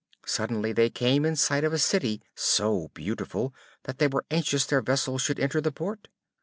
Suddenly they came in sight of a city so beautiful that they were anxious their vessel should enter the port.